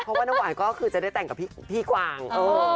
เพราะว่าน้ำหวานก็คือจะได้แต่งกับพี่กวาง